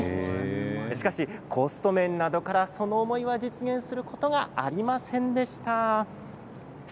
しかしコスト面などからその思いが実現することがありませんでした。